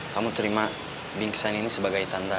kamu terima bingkisan ini sebagai tandaanmu